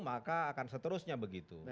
maka akan seterusnya begitu